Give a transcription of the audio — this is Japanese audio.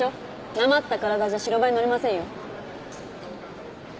なまった体じゃ白バイ乗れませんよ。